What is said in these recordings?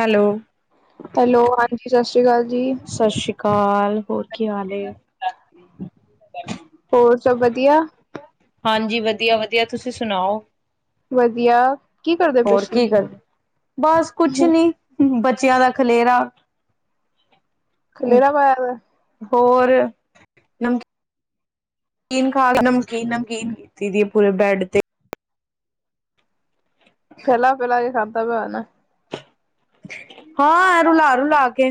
Hello hello ਹਾਂਜੀ ਸਤਿ ਸ਼੍ਰੀ ਅਕਾਲ ਜੀ ਸਤਿ ਸ਼੍ਰੀ ਅਕਾਲ ਹੋਰ ਕੀ ਹਾਲ ਏ ਹੋਰ ਸਭ ਵਧੀਆ ਹਾਂਜੀ ਵਧੀਆ ਵਧੀਆ ਤੁਸੀਂ ਸੁਣਾਓ ਵਧੀਆ ਕੀ ਕਰਦੇ ਪਏ ਹੋਰ ਸੀ ਕੀ ਕਰਦੇ ਬਸ ਕੁਛ ਨੀ ਬੱਚਿਆਂ ਦਾ ਖਲੇਰਾ ਖਲੇਰਾ ਪਾਇਆ ਹੋਇਆ ਹੋਰ ਨਮਕੀਨ ਖਾ ਕੇ ਨਮਕੀਨ ਨਮਕੀਨ ਕੀਤੀ ਦੀ ਪੂਰੇ ਬੈਡ ਤੇ ਫਹਿਲਾ ਪਹਿਲਾ ਇਹ ਸ ਸਬ ਨਾ ਹਾਂ ਰੁਲਾ ਰੁਲਾ ਕੇ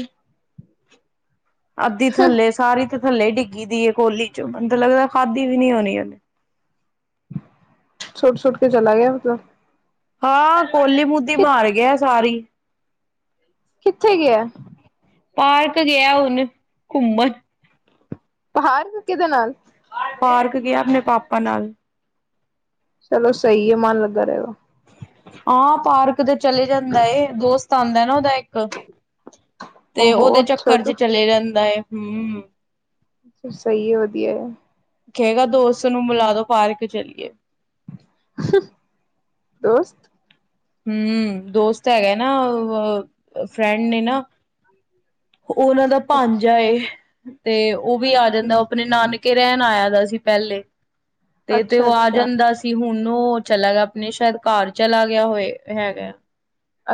ਅੱਧੀ ਥੱਲੇ ਸਾਰੀ ਥੱਲੇ ਡਿੱਗੀ ਦੀ ਏ ਕੋਹਲੀ ਚ ਮੈਨੂੰ ਲੱਗਦਾ ਖਾਧੀ ਵੀ ਨੀ ਹੋਣੀ ਉਹਨੇ ਸੁੱਟ ਸੁੱਟ ਕੇ ਚਲਾ ਗਿਆ ਉਦਾਂ ਹਾਂ ਕੋਲੀ ਮੂਦੀ ਮਾਰ ਗਿਆ ਸਾਰੀ [inaudible] ਕਿੱਥੇ ਗਿਆ ਹੈ ਪਾਰਕ ਗਿਆ ਹੁਣ ਘੁੰਮਣ ਪਾਰਕ ਕਿਦੇ ਨਾਲ ਪਾਰਕ ਗਿਆ ਆਪਣੇ ਪਾਪਾ ਨਾਲ ਚਲੋ ਸਹੀ ਹੈ ਮਨ ਲੱਗਾ ਰਹੇਗਾ ਹਾਂ ਪਾਰਕ ਕਦੇ ਚਲੇ ਜਾਂਦਾ ਏ ਦੋਸਤ ਆਉਂਦਾ ਨਾ ਉਹਦਾ ਇੱਕ ਤੇ ਉਹਦੇ ਉਹੋ ਚੱਕਰ ਚ ਛੋਟੂ ਚਲੇ ਜਾਂਦਾ ਏ ਹਮ ਫਿਰ ਸਹੀ ਹੈ ਵਧੀਆ ਏ ਕਹੇਗਾ ਦੋਸਤ ਨੂੰ ਮਿਲਾ ਦੋ ਪਾਰਕ ਚਲੀਏ ਦੋਸਤ ਹਮ ਦੋਸਤ ਹੈਗਾ ਨਾ ਫਰੈਂਡ ਨੇ ਨਾ ਉਹਨਾਂ ਦਾ ਭਾਂਜਾ ਤੇ ਉਹ ਵੀ ਆ ਅੱਛਾ ਜਾਂਦਾ ਆਪਣੇ ਨਾਨਕੇ ਕੇ ਰਹਿਣ ਆਇਆ ਦਾ ਸੀ ਪਹਿਲੇ ਤੇ ਤੇ ਅੱਛਾ ਅੱਛਾ ਉਹ ਆ ਅੱਛਾ ਜਾਂਦਾ ਸੀ ਹੁਣ ਨੂੰਹ ਉਹ ਚਲਾ ਗਿਆ ਆਪਣੇ ਸ਼ਾਇਦ ਘਰ ਚਲਾ ਗਿਆ ਹੋਏ ਹੈਗਾ।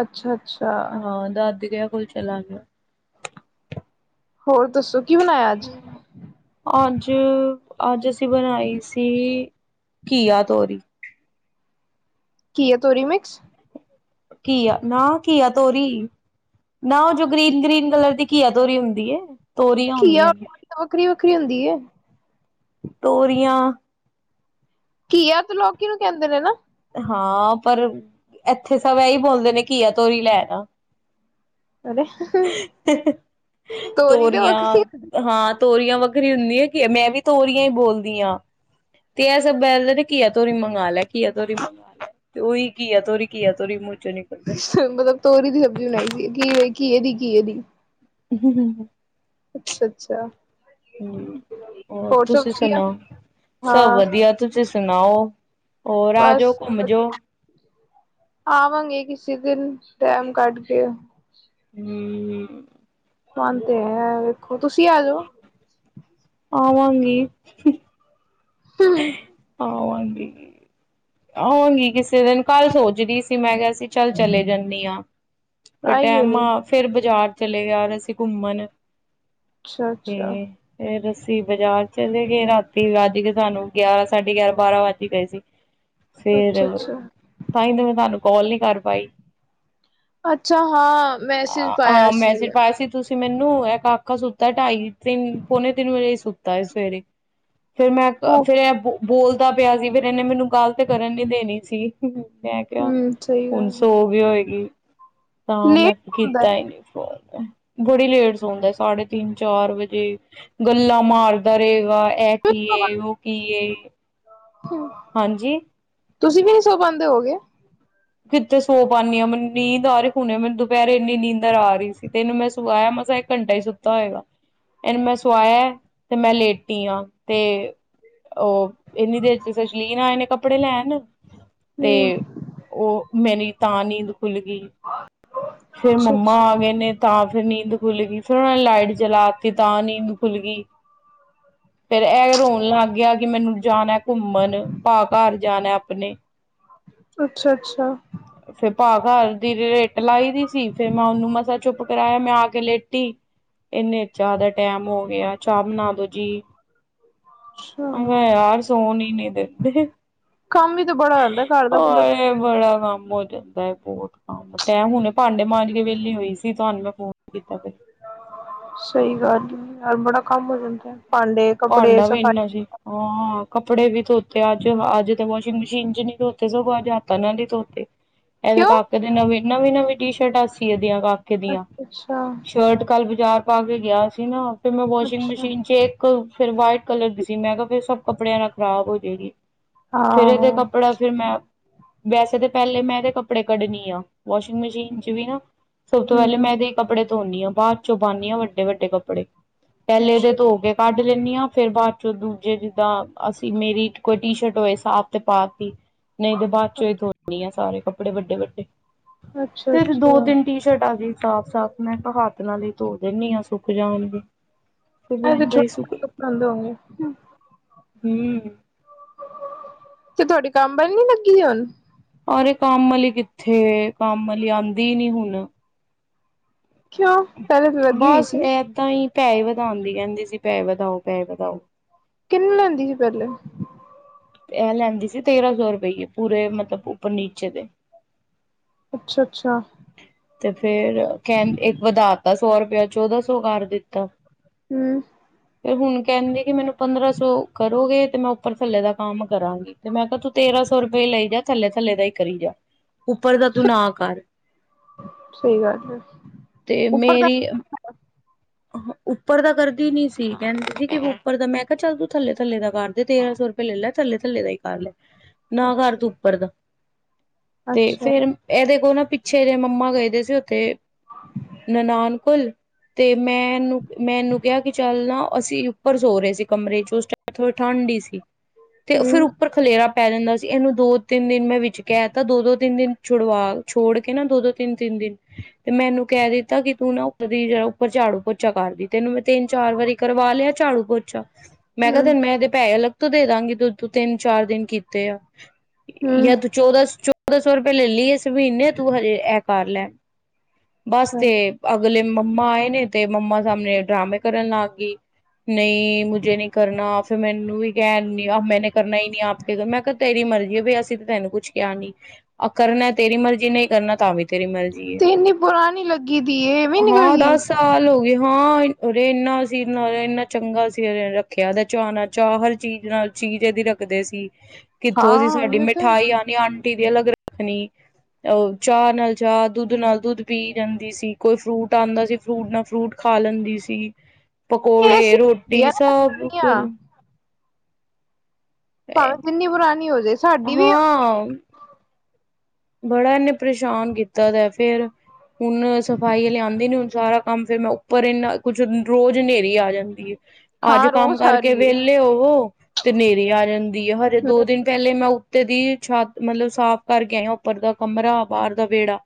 ਅੱਛਾ ਅੱਛਾ ਹਾਂ ਦਾਦਕੇ ਕੋਲ ਚਲਾਗਿਆ। ਹੋਰ ਦਸੋ? ਕਿ ਬਣਾਇਆ ਅੱਜ? ਅੱਜ ਅੱਜ ਅਸੀਂ ਬਣਾਈ ਸੀ ਘੀਆ- ਤੋਰੀ। ਘੀਆ-ਤੋਰੀ ਮਿਕਸ। ਘੀਆ ਨਾ ਘੀਆ-ਤੋਰੀ। ਨਾ ਉਹ ਜੋ ਗ੍ਰੀਨ- ਗ੍ਰੀਨ ਕਲਰ ਦੀ ਘੀਆ ਤੋਰੀ ਹੁੰਦੀ ਏ। ਤੋਰੀਆਂ ਖੀਆ ਹੁੰਦੀਆਂ ਨੇ ਵੱਖਰੀ- ਵੱਖਰੀ ਹੁੰਦੀ ਹੈ। ਤੋਰੀਆਂ ਘਿਆ ਤੇ ਲੋਕੀ ਨੂੰ ਕਹਿੰਦੇ ਨੇ ਨਾ। ਹਾਂ ਪਰ ਇੱਥੇ ਸਭ ਇਹੀ ਬੋਲਦੇ ਨੇ ਕੀਆ ਤੋਰੀ ਲੈ ਆਣਾ। ਅਰੇ ਤੋਰੀ ਤੇ ਤੋਰੀਆਂ ਵੱਖਰੀ ਹਾਂ ਤੋਰੀਆਂ ਵ ਵੱਖਰੀ ਹੁੰਦੀ ਆ ਕੀ ਮੈਂ ਵੀ ਤੋਰੀਆਂ ਹੀ ਬੋਲਦੀ ਹਾਂ, ਤੇ ਇਹ ਸਭ ਬੋਲਦੇ ਨੇ ਤੇ ਕੀਆ ਤੋਰੀ ਮੰਗਵਾ ਲੈਆ, ਘਿਆ ਤੇ ਉਹੀ। ਘੀਆ ਤੋਰੀ ਮੂੰਹ ਚੋਂ ਨਿਕਲਦਾ ਮਤਲਬ ਤੋਰੀ ਦੀ ਸਬਜ਼ੀ ਬਣਾਈ ਸੀ ਘੀ ਘੀਏ ਦੀ। ਘਿਏ ਦੀ। ਹੂੰ-ਹੂੰ-ਹੂੰ। ਅੱਛਾ ਅੱਛਾ ਹੋਰ ਸਭ ਤੁਸੀਂ ਵਧੀਆ ਸੁਣਾਓ ਸਭ ਹਾਂ ਵਧੀਆ ਤੁਸੀਂ ਸੁਣਾਓ ਹੋਰ ਆ ਬਸ ਜਾਓ ਘੁੰਮ ਜੋਓ ਵਧੀਆ ਆਵਾਂਗੇ ਕਿਸੇ ਦਿਨ ਟਾਈਮ ਕੱਡ ਕੇ। ਹੂੰ-ਹੂੰ। ਕੰਮ ਤੇ ਹੈ। ਖ ਤੁਸੀਂ ਆ ਜਾਓ। ਆਵਾਂਗੀ। ਆਵਾਗੀ। ਆਗੀ, ਕਿਸੇ ਦਿਨ ਕੱਲ ਸੋਚ ਰਹੀ ਸੀ ਮੈਂ ਕਿਹਾ ਸੀ ਚੱਲ ਚਲੇ ਜਾਂਦੀ ਹਾਂ। ਫ ਆਈ ਕਿਉਂ ਟੈਮਾ ਨੀ ਫੇਿਰ ਬਾਜ਼ਾਰ ਚਲੇ ਯਾਰ ਅਸੀਂ ਘੁੰਮਣ। ਅੱਛਾ ਤੇ ਅੱਛਾ ਇਹ ਦੱਸ ਅਸੀਂ ਬਾਜ਼ਾਰ ਚਲੇ ਗਏ ਰਾਤੀ ਵੱਜ ਕੇ ਸਾਨੂੰ ਗਿਆਰਾਂ ਸਾਢੇ ਗਿਆਰਾਂ- ਬਾਰਾਂ ਵੱਜ ਗਏ ਸੀ। ਫਿਰ ਅੱਛਾ ਅੱਛਾ ਤਾਂਹੀ ਤਾਂ ਮੈਂ ਤੁਹਾਨੂੰ ਕਾਲ ਨੀ ਕਰ ਪਾਈ ਅੱਛਾ ਹਾਂ ਮੈਸੇਜ ਪਾਇਆ ਹਾਂ, ਸੀ ਮੈਸੇਜ ਮੈਂ ਪਾਇਆ ਸੀ ਤੁਸੀਂ ਮੈਨੂੰ ਇੱਕ ਆਕਾਾ ਸੁੱਤਾ ਢਾਈ-ਤਿੰਨ, ਪੋਣੇ ਤਿਨ ਵਜੇ ਹੀ ਸੁੱਤਾ ਹੈ ਸਵੇਰੇ। ਫੇਿਰ ਮੈਂ ਉਹ ਫੇਿਰ ਇਹ ਬੋਲ ਤਾ ਪਿਆ ਸੀ ਫਿਰ ਇਹਨੇ ਮੈਨੂੰ ਤੇ ਕਰਨ ਨੀ ਦੇਣੀ ਸੀ ਹੂੰ ਹੂੰ ਮੈਂ ਕਿਹਾ ਹਮ ਸਹੀ ਹੁਣ ਗੱਲ ਹੈ ਸੋਗੀ ਹੋਏਗੀ ਤਾਂ ਮੈਂ ਲੇਟ ਹੁੰਦਾ ਕੀਤਾ ਹੀ ਨੀ ਫੋਨ ਬੜੀ ਲੇਟ ਸੌਦਾ ਸਾਢੇ ਤਿੰਨ ਚਾਰ ਵਜੇ ਗੱਲਾਂ ਮਾਰਦਾ ਰਹੇਗਾ ਇਹ ਕੀ ਉਹ ਕੀ ਹਾਂਜੀ ਤੁਸੀਂ ਵੀ ਨੀ ਸੌ ਪਾਉਦੇ ਹੋ ਗਏ ਕਿੱਥੇ ਸੌ ਪਾਣੀ ਹਾਂ ਮੈਨੂੰ ਨੀਂਦ ਆ ਰਹੀ ਹੁਣੇ ਮੈਨੂੰ ਦੁਪਹਿਰ ਇੰਨੀ ਨੀਂਦਰ ਆ ਰਹੀ ਸੀ ਤੇ ਇਹਨੂੰ ਮੈਂ ਸਵਾਇਆ ਮਸਾ ਇੱਕ ਘੰਟਾ ਸੁੱਤਾ ਹੋਏਗਾ ਇਹਨੂੰ ਮੈਂ ਸਵਾਇਆ ਤੇ ਮੈਂ ਲੇਟੀ ਹਾਂ ਤੇ ਉਹ ਇੰਨੀ ਦੇਰ ਚ ਸਚਲੀਨ ਆਏ ਨੇ ਕ ਕੱਪੜੇ ਲੈਣ ਹੂੰ ਮੈਰੀ ਤਾਂ ਨੀਂਦ ਖੁੱਲ ਗਈ ਫਿਰ ਅੱਛਾ ਮੰਮਾ ਆ ਅੱਛਾ ਗਏ ਨੇ ਤਾਂ ਫਿਰ ਨੀਂਦ ਖੁੱਲ ਗਈ ਫਿਰ ਲਾਈਟ ਜਲਾਤੀ ਤਾਂ ਨੀਦ ਖੁੱਲ ਗਈ ਫੇਰ ਇਹ ਰੋਣ ਲੱਗ ਗਿਆ ਕਿ ਮੈਨੂੰ ਜਾਣਾ ਘੁੰਮਣ ਪਾ ਘਰ ਜਾਣਾ ਆਪਣੇ ਅੱਛਾ ਅੱਛਾ ਫਿਰ ਭਾਗ ਦੀ ਰੇਟ ਲਾਈ ਦੀ ਸੀ ਫੇਰ ਮੈਂ ਉਹਨੂੰ ਮਸਾ ਚੁੱਪ ਕਰਾਇਆ ਮੈਂ ਆ ਕੇ ਲੇਟੀ ਇੰਨੇ ਚਾਹ ਦਾ ਟੈਮ ਹੋ ਗਿਆ ਚਾਹ ਬਣਾ ਦੋ ਜੀ ਅੱਛਾ ਅਬੇ ਯਾਰ ਸੋਨੇ ਨੇ ਨਹੀਂ ਦੇਤੇ ਕੰਮ ਹੀ ਤਾਂ ਬੜਾ ਰਹਿੰਦਾ ਘਰ ਦਾ ਬੰਦਾ ਬੜਾ ਕੰਮ ਹੋ ਜਾਂਦਾ ਬਹੁਤ ਕੰਮ ਤੇ ਹੁਣੇ ਭਾਂਡੇ ਮਾਂਜ ਕੇ ਵਿਹਲੀ ਹੋਈ ਸੀ ਤੁਹਾਨੂੰ ਮੈਂ ਫੋਨ ਕੀਤਾ ਫਿਰ। ਸਹੀ ਗੱਲ ਯਾਰ ਬੜਾ ਕੰਮ ਹੋ ਜਾਂਦਾ ਭਾਂਡੇ ਕੱਪੜੇ ਭਾਂਡਾ ਵੀ ਇੰਨਾ ਸਫ਼ਾਈ ਸੀ ਹਾਂ ਕੱਪੜੇ ਵੀ ਧੋਤੇ ਅੱਜ ਅੱਜ ਤਾਂ ਵਾਸ਼ਿੰਗ ਮਸ਼ੀਨ ਚ ਨੀ ਧੋਤੇ ਸਗੋਂ ਅੱਜ ਹੱਥਾਂ ਨਾਲ ਹੀ ਧੋਤੇ ਇਹਦੇ ਕਿਉਂ ਕਾਕੇ ਦੀ ਨਵੀਨ ਨਵੀ ਨਵੀਂ ਟੀ ਸ਼ਰਟਾਂ ਸੀ ਇਹਦੀ ਕਾ ਕੇ ਦੀਆਂ ਅੱਛਾ ਸ਼ਰਟ ਕੱਲ ਬਾਜ਼ਾਰ ਪਾ ਕੇ ਗਿਆ ਸੀ ਨਾ ਫਿਰ ਮੈਂ ਵਾਸ਼ਿੰਗ ਅੱਛਾ ਮਸ਼ੀਨ ਇੱਕ ਫਿਰ ਵਾਈਟ ਕਲਰ ਦੀ ਸੀ ਮੈਂ ਕਿਹਾ ਫਿਰ ਸਭ ਕੱਪੜਿਆਂ ਨਾਲ ਖ਼ਰਾਬ ਹੋ ਜਾਏਗੀ ਫਿਰ ਇਹ ਆਹੋ ਦਾ ਕੱਪੜਾ ਫਿਰ ਮੈਂ ਵੈਸੇ ਤਾਂ ਪਹਿਲੇ ਮੈਂ ਤੇ ਕੱਪੜੇ ਕੱਢਣੀ ਆ ਵਾਸ਼ਿੰਗ ਮਸ਼ੀਨ ਚ ਵੀ ਨਾ ਸਭ ਤੋਂ ਪਹਿਲੇ ਹਮ ਮੈਂ ਏਦੇ ਕੱਪੜੇ ਧੋਂਨੀ ਹਾਂ ਬਾਅਦ ਚੋਂ ਪਾਨੀ ਹਾਂ ਵੱਡ ਵਡੇ ਕੱਪੜੇ ਪਹਿਲੇ ਦੇ ਅੱਛਾ ਧੋ ਕੇ ਕੱਢ ਲੈਂਦੀ ਹਾਂ ਫੇਿਰ ਬਾਅਦ ਚੋਂ ਦੂਜੇ ਜਿੱਦਾਂ ਅਸੀਂ ਮੇਰੀ ਕੋਈ ਟੀ ਸ਼ਰਟ ਹੋਏ ਸਾਫ਼ ਤੇ ਪਾਤਿ ਨਹੀਂ ਦੇ ਬਾਅਦ ਚੋ ਇਹ ਥੋਨੀ ਆ ਸਾਰੇ ਕਪੜੇ ਵੱਡੇ ਵੱਡੇ ਅੱਛਾ ਤੇ ਦੋ ਅੱਛਾ ਤਿੰਨ ਟੀ ਸ਼ਰਟ ਆ ਗਈ ਸਾਫ਼ ਸਾਫ਼ ਮੈਂ ਹੱਥ ਨਾਲ ਧੋ ਦੇਨੀ ਹਾਂ ਸੁੱਕ ਜਾਣਗੇ ਫਿਰ ਏਦਾਂ ਹੀ ਸੁੱਕ [unintelligible] ਹਮ ਤੇ ਤੁਹਾਡੀ ਕੰਮ ਵਾਲੀ ਨੀ ਲੱਗੀ ਹੋਈ ਹੁਣ ਅਰੇ ਕੰਮ ਵਾਲੀ ਕਿੱਥੇ ਕੰਮ ਵਾਲੀ ਆਉਂਦੀ ਨੀ ਹੁਣ ਕਿਉਂ ਪਹਿਲੇ ਤੇ ਲਗੀ ਹੋਈ ਸੀ ਪੈਸੇ ਵਧਾਉਦੀ ਕਹਿੰਦੀ ਸੀ ਪੈਏ ਵਧਾਓ ਪੈਸ ਵਧਾਓ ਕਿੰਨੇ ਲੈਂਦੀ ਸੀ ਪਹਿਲੇ ਇਹ ਲੈਂਦੀ ਸੀ ਤੇਰਾਂ ਸੌ ਰੁਪਈਏ ਪੂਰੇ ਮਤਲਬ ਉੱਪਰ ਨੀਚੇ ਦੇ ਅੱਛਾ ਅੱਛਾ ਤੇ ਫੇਰ ਕਹ ਇੱਕ ਵਧਾ ਤਾ ਸੌ ਰੁਪਇਆ ਚੌਦਾਂ ਸੌ ਕਰ ਦਿੱਤਾ ਹਮ ਤੇ ਹੁਣ ਕਹਿੰਦੇ ਕਿ ਮੈਨੂੰ ਪੰਦਰਾਂ ਸੌ ਕਰੋਗੇ ਤੇ ਮੈਂ ਉੱਪਰ ਥੱਲੇ ਦਾ ਕੰਮ ਕਰਾਂਗੀ ਤੇ ਮੈਂ ਕਿਹਾ ਤੂੰ ਤੇਰਾਂ ਸੌ ਰੁਪਏ ਲਈ ਜਾ ਥੱਲੇ ਥੱਲੇ ਦਾ ਹੀ ਕਰੀ ਜਾ ਉੱਪਰ ਦਾ ਤੂੰ ਨਾ ਕਰ ਸਹੀ ਗੱਲ ਹੈ ਤੇ ਉਪਰ ਤਾਂ ਮੇਰੀ ਉੱਪਰ ਦਾ ਕਰਦੀ ਨੀ ਸੀ ਕਹਿੰਦੀ ਸੀ ਕਿ ਉੱਪਰ ਦਾ ਮੈਂ ਕਿਹਾ ਚੱਲ ਤੂੰ ਥੱਲੇ ਥੱਲੇ ਦਾ ਕਰ ਦੇ ਤੇਰਾਂ ਸੌ ਰੁਪਏ ਲੈ ਲੈ ਥੱਲੇ ਥੱਲੇ ਦਾ ਹੀ ਕਰ ਲੈ ਨਾ ਕਰ ਅੱਛਾ ਤੂੰ ਉੱਪਰ ਦਾ ਤੇ ਅੱਛਾ ਫੇਰ ਇਹਦੇ ਕੋਲ ਨਾ ਮੇਰੇ ਮੰਮਾ ਗਏਦੇ ਸੀ ਉੱਥੇ ਨਨਾਣ ਕੋਲ ਤੇ ਮੈ ਇਨੂੰ ਮੈ ਇਨੂੰ ਕਿਹਾ ਕਿ ਚੱਲ ਨਾ ਅਸੀਂ ਉੱਪਰ ਸੋ ਰਹੇ ਸੀ ਕਮਰੇ ਚ ਉਸ ਟਮ ਥੋੜੀ ਠੰਢ ਹੀ ਸੀ ਤੇ ਫਿਰ ਹਮ ਉੱਪਰ ਖਲੇਰਾ ਪੈ ਜਾਂਦਾ ਸੀ ਇਹਨੂੰ ਦੋ ਤਿੰਨ ਦਿਨ ਮੈਂ ਵਿੱਚ ਕਹ ਤਾਂ ਦੋ ਦੋ ਤਿੰਨ ਦਿਨ ਛੁਡਵਾ ਛੋੜ ਕੇ ਨਾ ਦੋ ਦੋ ਤਿੰਨ ਤਿੰਨ ਦਿਨ ਤੇ ਮੈਨੂੰ ਕਹਿ ਦਿੱਤਾ ਕਿ ਤੂੰ ਨਾ ਉੱਪਰ ਦੀ ਜੜਾ ਉੱਪਰ ਝਾੜੂ ਪੋਚਾ ਕਰਦੀ ਤੈਨੂੰ ਮੈਂ ਤਿੰਨ ਚਾਰ ਵਾਰੀ ਕਰਵਾ ਲਿਆ ਝਾੜੂ ਪੋਚਾ ਮੈਂ ਕਿਹਾ ਹਮ ਤੈਨ ਮੈਂ ਇਹਦੇ ਪੈਸੇ ਅਲਗ ਤੋਂ, ਦੇ ਦਾਂਗੀ ਦੋ- ਦੋ, ਤਿੰਨ- ਚਾਰ ਦਿਨ ਕੀਤੇ ਆ। ਯਾ, ਹਮ ਤੂੰ ਚੌਦਾਂ- ਸੋ ਦਾ, ਸੌ- ਰੁਪਏੈ ਲੈ ਲਈ, ਇਸ ਮਹੀਨੇ ਤੂੰ, ਹਜੇ ਇਹ ਕਰ ਲੈ। ਬਸ ਅੱਛਾ ਤੇ, ਅਗਲੇ ਮੰਮਾ ਆਏ ਨੇ, ਤੇ, ਮੰਮਾ ਸਾਹਮਣੇ ਡਰਾਮੇ ਕਰਨ ਲੱਗ ਗਈ। ਨਹੀਂ, ਮੁਝੇ ਨਹੀਂ ਕਰਨਾ ਫੇਰ, ਮੈਨੂੰ ਵੀ ਕਹਿਣ ਨੀ, ਆ, ਮੈਨੇ ਕਰਨਾ ਹੀ, ਨੀ ਆਪ ਕੇ, ਘਰ ਮੈਂ ਕਿਹਾ ਤੇਰੀ ਮਰਜ਼ੀ। ਵੀ, ਅਸੀਂ ਤੇ, ਤੈਨੂੰ ਕੁਛ ਕਿਹਾ ਨੀ ਅ ਕਰਨੇ ਤੇਰੀ ਮਰਜ਼ੀ ਨਹੀਂ। ਕਰਨਾ ਤਾਂ ਵੀ ਤੇਰੀ ਮਰਜੀ ਏ, ਤੇ ਇੰਨੀ ਪੁਰਾਣੀ ਲੱਗੀ ਦੀ ਇਹ ਵੀ ਨਿਕਲ ਹਾਂ। ਦੱਸ ਗਈ। ਸਾਲ ਹੋਗੇ। ਹਾਂ, ਉਰੇ ਇੰਨਾ ਸੀ, ਨਾਲ ਇੰਨਾ ਚੰਗਾ ਸੀ, ਓਨੇ ਰੱਖਿਆ ਓਦਾ ਚਾਅ- ਨਾਲ ਚਾਅ ਹਰ ਚੀਜ਼, ਨਾਲ ਚੀਜ਼ ਏਦੀ ਰੱਖਦੇ ਸੀ। ਕਿੱਥੋਂ ਦੀ ਹਾਂ ਸਾਡੀ ਉਹੀਓ ਤੇ ਮਿਠਾਈ ਆਨੀ ਆਂ ਰੋਟੀ ਵੀ ਅਲੱਗ ਰੱਖਣੀ ਅ ਚਾਹ ਨਾਲ ਚਾਹ, ਦੁੱਧ ਨਾਲ ਦੁੱਧ ਪੀ ਜਾਂਦੀ ਸੀ, ਕੋਈ ਫਰੂਟ ਆਂਦਾ ਸੀ, ਫਰੂਟ ਨਾਲ ਫਰੂਟ ਖਾ ਲੈਂਦੀ ਸੀ। ਪਕੌੜੇ ਏਸੀ ਰੋਟੀ ਹੁੰਦੀਆਂ ਨਾ ਸਭ ਕੁ ਪੁਰਾਣੀਆਂ [unintelligible] ਭਾਵੇਂ ਜਿੰਨੀ ਪੁਰਾਣੀ ਹੋ ਜਾਏ ਸਾਡੀ ਵੀ ਹਾਂ। ਬੜਾ ਇਨੇ ਪਰੇਸ਼ਾਨ ਕੀਤਾ ਦਾ ਫੇਰ ਹੁਣ ਸਫ਼ਾਈ ਹਲੇ ਆਂਦੀ ਨੀ ਹੁਣ ਸਾਰਾ ਕੰਮ ਫਿਰ ਮੈਂ ਉੱਪਰ ਇਨਾ ਕੁੱਝ, ਰੋਜ਼ ਹਨੇਰੀ ਆ ਜਾਂਦੀ ਏ। ਅੱਜ ਹਾਂ ਕੰਮ ਰੋਜ਼ ਆ ਕਰਕੇ ਰਹੀ ਏ। ਵਿਹਲੇ ਹੋਵੋ, ਤੇ ਨੇਰੀ ਆ ਜਾਂਦੀ ਐ ਹਜੇ ਹੂੰ ਦੋ ਦਿਨ ਪਹਿਲੇ ਮੈਂ [unintelligible] ਦੀ ਛੱਤ ਮਤਲਬ ਸਾਫ਼ ਕਰਕੇ ਆਏ ਆ। ਉੱਪਰ ਦਾ ਕਮਰਾ, ਬਾਰ ਦਾ ਵੇੜਾ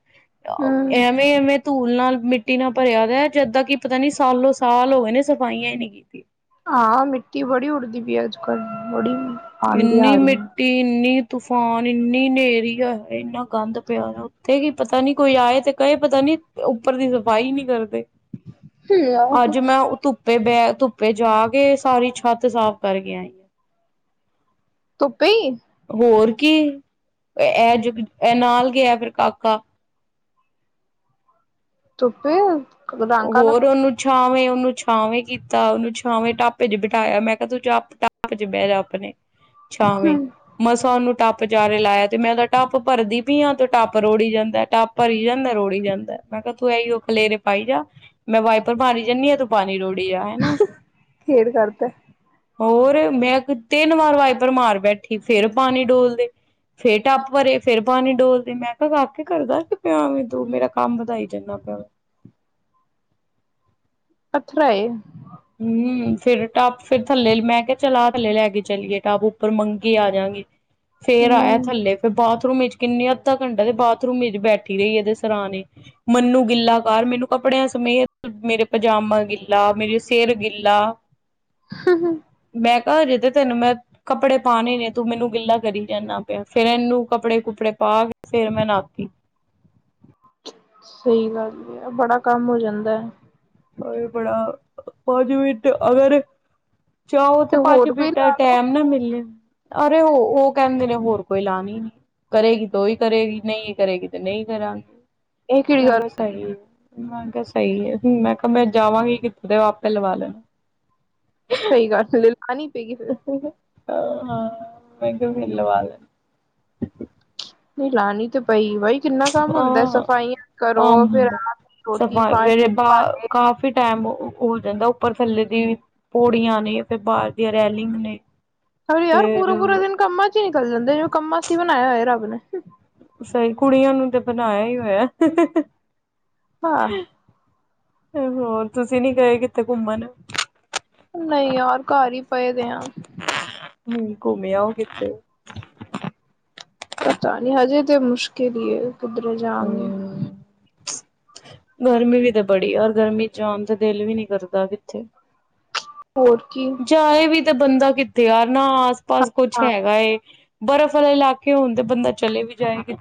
ਹੂੰ ਐਵੇਂ-ਐਵੇਂ ਧੂਲ ਨਾਲ ਮਿੱਟੀ ਨਾਲ ਭਰਿਆ ਦ, ਜਿੱਦਾਂ ਕੀ ਪਤਾ ਨੀ ਸਾਲੋ-ਸਾਲ ਹੋਗੇ ਨੇ ਸਫਾਈਆਂ ਈ ਨੀ ਕੀਤੀ। ਹਾਂ, ਮਿੱਟੀ ਬੜੀ ਉੱਡਦੀ ਪਈ ਅੱਜ ਕੱਲ੍ਹ ਬੜੀ ਆਂਦੀਆਂ ਇੰਨੀ ਆ ਮਿੱਟੀ ਇੰਨੀ ਤੂਫਾਨ ਇੰਨੀ ਨੇਰੀ ਆ, ਇੰਨਾ ਗੰਦ ਪਿਆ ਨਾ, ਉੱਥੇ ਕੀ ਪਤਾ ਨੀ ਕੋਈ ਆਏ, ਤੇ ਕਏ ਪਤਾ ਨੀ ਉੱਪਰ ਦੀ ਸਫ਼ਾਈ ਨੀ ਕਰਦੇ। ਰਹੀਆਂ। ਹੂੰ ਅੱਜ ਮੈਂ ਓ ਧੁੱਪੇ ਬਹਿ ਧੁੱਪੇ ਜਾ ਕੇ ਸਾਰੀ ਛੱਤ ਸਾਫ਼ ਕਰਕੇ ਆਈ। ਧੁੱਪੇ ਈ ਹੋਰ ਕੀ ਐ ਜੋ ਐ ਨਾਲ ਗਿਆ ਫਿਰ ਕਾ ਕਾ। ਧੁੱਪੇ ਰੰਗ ਕਾਲਾ ਹੋਰ ਉਹਨੂੰ ਛਾਵੇਂ ਓਨੂੰ ਛਾਵੇਂ ਕੀਤਾ ਉਹਨੂੰ ਛਾਵੇਂ ਟਾਪੇ ਚ ਬਿਠਾਇਆ ਮੈਂ ਕਿਆ ਤੂੰ ਟਪ ਚ ਬੈ ਜਾ ਅਪਣੇ ਛਾਵੇਂ ਮਸਾਂ ਨੂੰ ਟਾ ਬਜਾਰੇ ਲਾਇਆ ਤੇ ਮੈਂ ਓਦਾ ਟੱਪ ਭਰਦੀ ਪਈ ਆ ਟੱਪ ਰੋੜੀ ਜਾਂਦਾ ਟੱਪ ਭਰੀ ਜਾਂਦਾ ਰੋੜੀ ਜਾਂਦਾ ਮੈਂ ਕਿਆ ਤੂੰ ਏਹੀ ਓ ਖਲੇਰੇ ਪਾਈ ਜਾ ਮੈਂ ਵਾਈਪਰ ਮਾਰੀ ਜਨੀ ਆ ਤੂੰ ਪਾਣੀ ਰੋੜ ਖੇਡ ਕਰਦਾ ਹੋਰ ਮੈਂ ਤਿੰਨ ਵਾਰ ਵਾਈਪਰ ਮਾਰ ਬੈਠੀ ਫੇਰ ਪਾਣੀ ਡੋਲਦੇ ਫੇਰ ਟੱਪ ਭਰੇ ਫੇਰ ਪਾਣੀ ਡੋਲਦੇ ਮੈਂ ਕਾ ਕਾਕੇ ਕਰਦਾ ਕੀ ਪਿਆ ਵੇ ਤੂੰ ਮੇਰਾ ਕੰਮ ਵਧਾਈ ਜਾਂਨਾ ਪਿਆ ਅੱਥਰਾ ਏ ਹਮ ਫਿਰ ਟਾਪ ਫਿਰ ਥੱਲੇ ਮੈਂ ਕਿਹਾ ਚੱਲ ਆਹ ਥੱਲੇ ਲੈ ਕੇ ਚੱਲਏ ਟਾਪ ਉੱਪਰ ਮੰਗੇ ਆ ਜਾਗੇ ਫੇਰ ਆਇਆ ਹੂੰ। ਥੱਲੇ ਫੇਿਰ ਬਾਥਰੂਮ ਵਿੱਚ ਕਿੰਨੀ ਅੱਧ ਘੰਟਾ ਦੇ ਬਾਥਰੂਮ ਬੈਠੀ ਰਹੀ ਇਹਦੇ ਸਰਹਣੇ ਮਨੂੰ ਗਿੱਲਾ ਕਰ ਮੈਨੂੰ ਕੱਪੜਿਆਂ ਸਮੇਤ ਮੇਰੇ ਪਜਾਮਾ ਗਿੱਲਾ ਮੇਰੇ ਸੇਰ ਗਲਾ ਹਮ ਹ ਘ ਜੇ ਤੇ ਤੈਨੂੰ ਮੈਂ ਕੱਪੜੇ ਪਾਉਣੇ ਨੇ ਤੂੰ ਮੈਨੂੰ ਗਿੱਲਾ ਕਰੀ ਜਾਂਦਾ ਪਿਆ ਫੇਿਰ ਇਹਨੂੰ ਕੱਪੜੇ ਕੁਪੜੇ ਪਾ ਕੇ ਫੇਿਰ ਮੈਂ ਨਾਤੀ ਸਹੀ ਗੱਲ ਆ ਬੜਾ ਕੰਮ ਹੋ ਜਾਂਦਾ ਹੈ ਇਹ ਬੜਾ ਪੰਜ ਮਿੰਟ ਅਗਰ ਚਓ ਤੇ ਪੰਜ ਹੋਰ ਕੋਈ ਬਿੰਟਾਂ ਲਾ ਲੋ ਟੈਮ ਨਾ ਮਿਲਿਆ ਅਰੇ ਉਹ ਉਹ ਕਹਿੰਦੇ ਨੇ ਹੋਰ ਕੋਈ ਲਾਣੀ ਨੀ ਕਰੇਗੀ ਤੇ ਉਹੀ ਕਰੇਗੀ ਨਹੀਂ ਕਰੇਗੀ ਤੇ ਨਹੀਂ ਕਰਾਂਗੇ ਇਹ ਕਿਹੜੀ ਗੱਲ ਚਲੋ ਸਹੀ ਹਾਂਜੀ ਸਹੀ ਹੈ ਹੁਣ ਮੈਂ ਕਿਹਾ ਮੈਂ ਜਾਵਾਂਗੀ ਕਿੱਥੋਂ ਦੇ ਆਪੇ ਲਵਾ ਲੈਣਾ ਸਹੀ ਗੱਲ ਲੈ ਲਾਨ ਪਏਗੀ ਫਿਰ [unintelligible] ਹਾਂ ਮੈਂਿੰ ਕਿਹਾ ਮ ਲਵਾਾਲ [unintelligible] ਨਹੀਂ ਲਾਣੀ ਤੇ ਪਈ ਬਾਈ ਕਿੰਨਾ ਕੰਮ ਹੁੰਦਾ ਸਫਾਈਆਂ ਕਰੋ ਹਾਂਮ ਫਿਰ ਹੁੰਦਾ ਆਪ ਰੋਟੀ ਪਾਣੀ ਸਫਾਈੇਰੇ ਭਾਂਡੇ ਕਾਫੀ ਟਾਈਮ ਹੋ ਹੋ ਜਾਂਦਾ ਉੱਪਰ ਥੱਲੇ ਦੀ ਪੋੜੀਆਂ ਨੇ ਫਿਰ ਬਾਹਰ ਦੀਆਂ ਰੈਲਿੰਗ ਨੇ ਹ ਯਾਰ ਪੂਰਾ ਫੇਰ ਪੂਰਾ ਦਿਨ ਕੰਮਾਂ ਚ ਹੀ ਨਿਕਲ ਜਾਂਦੇਵੇ ਕੰਮ ਚ ਹੀ ਬਣਾਇਆ ਹੋਇਆ ਰੱਬ ਨੇ ਹਮ [unintelligible] ਸਹੀ ਕੁੜੀਆਂ ਨੂੰ ਤੇ ਬਣਾਇਆ ਹੀ ਹੋਇਆ ਹਾਂ ਹੋਰ ਤੁਸੀਂ ਨੀ ਗਏ ਕਿੱਥੇ ਘੁੰਮਣ ਨਹੀਂ ਯਾਰ ਘਰ ਹੀ ਪਏ ਦੇ ਆ ਹ ਘੁੰਮਿਆ ਉਹ ਕਿਥੇ ਪਤਾ ਨੀ ਹਜੇ ਤੇ ਮੁਸ਼ਕਿਲ ਹੀ ਕਿਧਰ ਜਾਗੀ ਹੂੰ, ਗਰਮੀ ਵੀ ਤਾਂ ਬੜੀ ਔਰ ਗਰਮੀ ਚ ਆਉਣ ਤੇ ਦਿਲ ਵੀ ਨੀ ਕਰਦਾ ਕਿੱਥੇ ਹੋਰ ਕੀ ਜਾਏ ਵੀ ਤੇ ਬੰਦਾ ਕਿੱਥੇ ਯਾਰ ਨਾ ਆਸ ਪਾਸ ਕੁਛ ਹਾਂ ਹੈਗਾ ਏ ਬਰਫ਼ ਲੈ [unintelligible] ਕਿ ਹੁਣ ਤੇ ਬੰਦਾ ਚਲੇ ਵੀ ਜਾਏਗੀ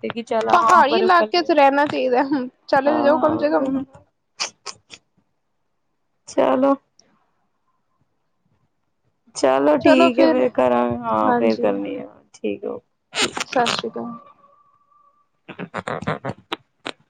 ਪਹਾੜੀ ਇਲਾਕੇ ਚ ਰਹਿਣਾ ਚਾਹੀਦਾ ਹੁ ਚਲੇ ਜਾਓ ਕਮ ਸੇ ਹਾਂ। ਕਮ ਚਲੋ ਚਲੋ ਠੀਕ ਹੈ ਫੇਰ ਕਰਾਂਗੇ ਹਾਂ ਫੇਰ ਹਾਂਜੀ ਕਰਨੀ ਆ ਠੀਕ ਠੀਕ ਸਤਿ ਸ਼੍ਰੀ ਅਕਾਲ [unintelligible]